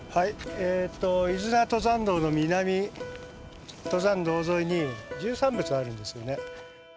えっと飯縄登山道の南登山道沿いに十三仏あるんですよね。